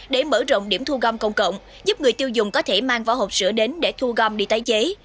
để mở rộng điểm thu gom công cộng giúp người tiêu dùng có thể mang vỏ hộp sữa đến để thu gom đi tái chế